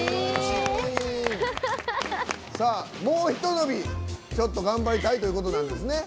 もうひと伸びちょっと頑張りたいということなんですね。